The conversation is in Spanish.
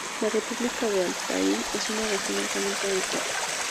La República de Altái es una región altamente agrícola.